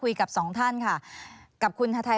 มันจอดอย่างง่ายอย่างง่ายอย่างง่าย